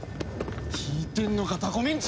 聞いてんのかタコメンチ！